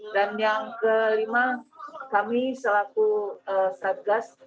dan yang kelima kami selaku satgas